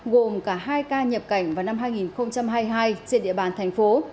gồm cả hai ca nhập cảnh vào năm hai nghìn hai mươi hai trên địa bàn thành phố